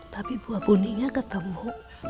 tapi buah buninya ketemu